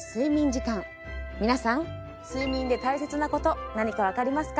睡眠で大切なこと何か分かりますか？